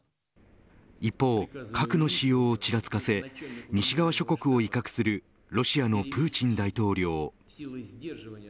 一方、核の使用をちらつかせ西側諸国を威嚇するロシアのプーチン大統領。